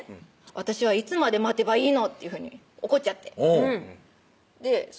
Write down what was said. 「私はいつまで待てばいいの？」っていうふうに怒っちゃってそ